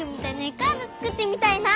カードつくってみたいな。